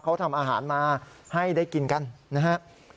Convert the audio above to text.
เขาทำอาหารมาให้ได้กินกันนะฮะ